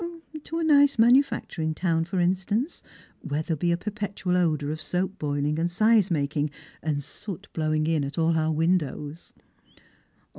" To a nice manufacturing town, for instance, where there will be a perpetual odour of soap boiling and size making, and Boot blowing in at all our windows."